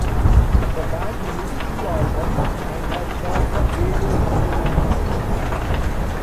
The band released two albums and had tracks on various compilation albums.